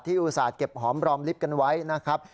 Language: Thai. อุตส่าห์เก็บหอมรอมลิฟต์กันไว้นะครับ